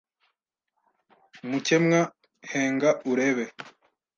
Mukemwa henga urebe